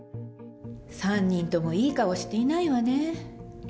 ３人ともいい顔していないわね。